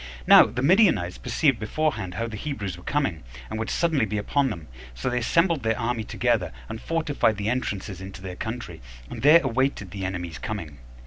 Now the Midianites perceived beforehand how the Hebrews were coming, and would suddenly be upon them: so they assembled their army together, and fortified the entrances into their country, and there awaited the enemy's coming.